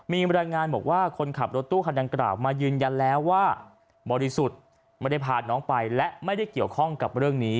มีบรรยายงานบอกว่าคนขับรถตู้คันดังกล่าวมายืนยันแล้วว่าบริสุทธิ์ไม่ได้พาน้องไปและไม่ได้เกี่ยวข้องกับเรื่องนี้